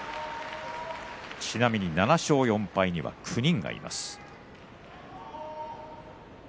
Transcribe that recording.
ちなみに７勝４敗には９人がいます。